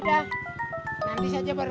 dari mana wijudin dia sendiri